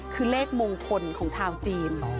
คือเลขมงคลของชาวจีน